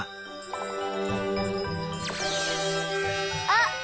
あっ！